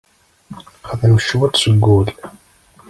Xdem cwiṭ seg wul.